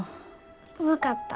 分かった。